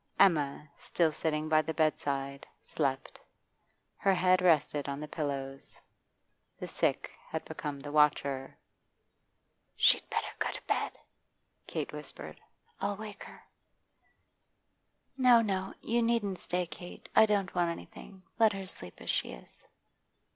Emma, still sitting by the bedside, slept; her head rested on the pillows. The sick had become the watcher. 'She'd better go to bed,' Kate whispered. 'I'll wake her.' 'No, no You needn't stay, Kate. I don't want anything. Let her sleep as she is.